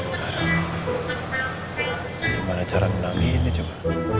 gimana cara menanginnya coba